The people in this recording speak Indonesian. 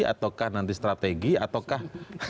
ataukah nanti strategi ataukah